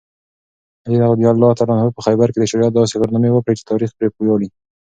علي رض په خیبر کې د شجاعت داسې کارنامې وکړې چې تاریخ پرې ویاړي.